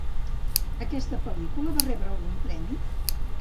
Aquesta pel·lícula va rebre algun premi?